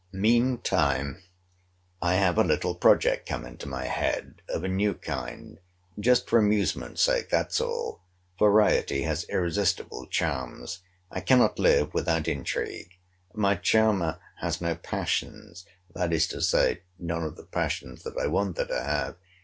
Mean time I have a little project come into my head, of a new kind; just for amusement sake, that's all: variety has irresistible charms. I cannot live without intrigue. My charmer has no passions; that is to say, none of the passions that I want her to have.